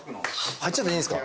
入っちゃっていいんですか？